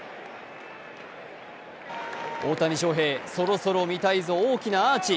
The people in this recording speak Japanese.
大谷翔平、そろそろ見たいぞ大きなアーチ。